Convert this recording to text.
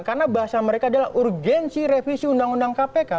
karena bahasa mereka adalah urgensi revisi undang undang kpk